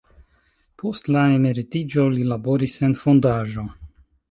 Post la emeritiĝo li laboris en fondaĵo.